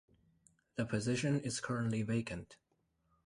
The position is currently vacant.